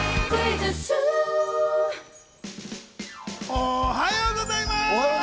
おはようございます！